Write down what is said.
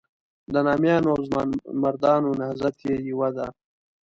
د نامیانو او ځوانمردانو نهضت یې یوه ده.